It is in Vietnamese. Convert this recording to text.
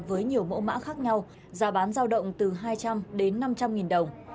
với nhiều mẫu mã khác nhau giá bán giao động từ hai trăm linh đến năm trăm linh nghìn đồng